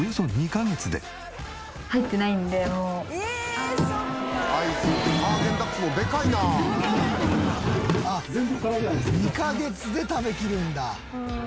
２カ月で食べきるんだ。